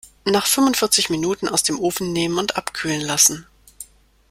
Nach fünfundvierzig Minuten aus dem Ofen nehmen und abkühlen lassen.